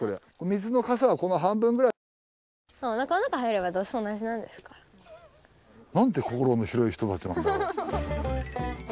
水のかさはこの半分ぐらいでいいです。なんて心の広い人たちなんだろう。